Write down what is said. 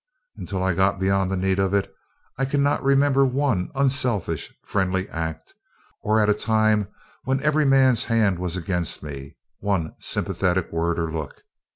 "Until I got beyond the need of it, I cannot remember one unselfish, friendly act, or, at a time when every man's hand was against me, one sympathetic word or look.